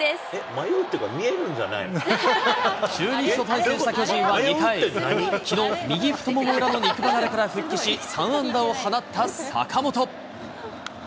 迷うというか、見えるんじゃ中日と対戦した巨人は２回、きのう右太もも裏の肉離れから復帰し、３安打を放った坂本。